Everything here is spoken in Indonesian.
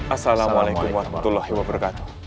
assalamualaikum warahmatullahi wabarakatuh